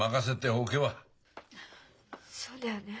そうだよね！